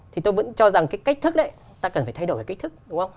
thì tôi vẫn cho rằng cái cách thức đấy ta cần phải thay đổi về cách thức đúng không